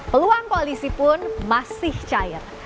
peluang koalisi pun masih cair